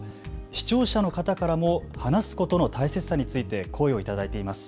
視聴者の方からも話すことの大切さについて声を頂いています。